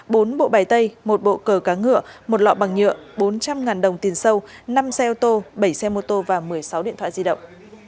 bốn bộ bài tay một bộ cờ cá ngựa một lọ bằng nhựa bốn trăm linh đồng tiền sâu năm xe ô tô bảy xe mô tô và một mươi sáu điện thoại di động